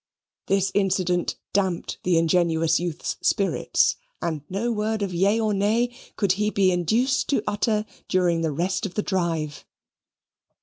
This incident damped the ingenuous youth's spirits, and no word of yea or nay could he be induced to utter during the rest of the drive.